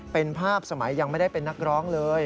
เป็นภาพสมัยยังไม่ได้เป็นนักร้องเลย